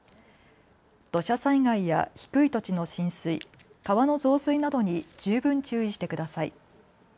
土砂災害や低い土地の浸水、川の増水などに十分注意してください。